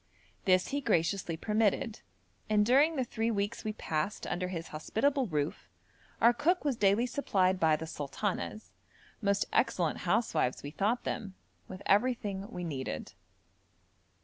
This he graciously permitted, and during the three weeks we passed under his hospitable roof, our cook was daily supplied by the 'sultanas' most excellent housewives we thought them with everything we needed.